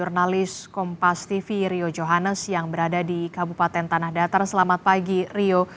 jurnalis kompas tv rio johannes yang berada di kabupaten tanah datar selamat pagi rio